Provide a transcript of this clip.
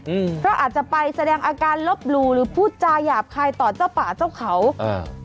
อืมเพราะอาจจะไปแสดงอาการลบหลู่หรือพูดจาหยาบคายต่อเจ้าป่าเจ้าเขาอ่า